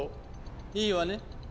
いいわね？